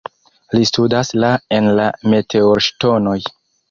Li studas la en la meteorŝtonoj.